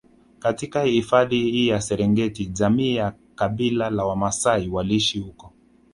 katika hifadhi hii ya Serengeti jamii ya Kabila la Wamaasai waliishi huko